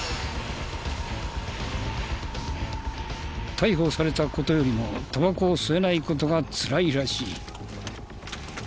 逮捕された事よりもタバコを吸えない事がつらいらしい。